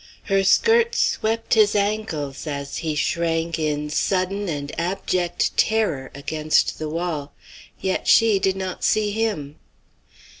Her skirts swept his ankles as he shrank in sudden and abject terror against the wall, yet she did not see him.